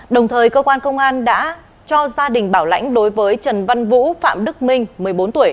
đồng thời cơ quan công an đã cho gia đình bảo lãnh đối với trần văn vũ phạm đức minh một mươi bốn tuổi